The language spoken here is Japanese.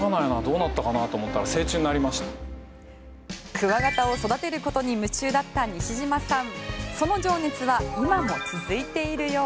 クワガタを育てることに夢中だった西島さん。